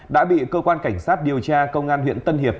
đã bị cơ quan cảnh sát điều tra công an huyện tân hiệp